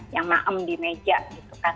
yang maem di meja gitu kan